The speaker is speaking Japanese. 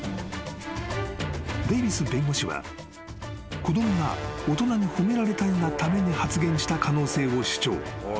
［デイビス弁護士は子供が大人に褒められたいがために発言した可能性を主張］